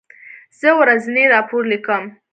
زه ورځنی راپور لیکم.